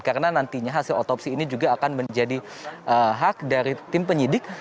karena nantinya hasil otopsi ini juga akan menjadi hak dari tim penyidik